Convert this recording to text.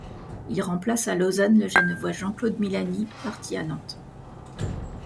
Il remplace à Lausanne le Genevois Jean-Claude Milani, parti à Nantes.